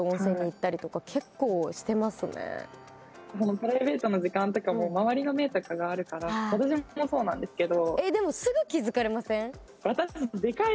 プライベートの時間とかも周りの目とかがあるから私もそうなんですけど。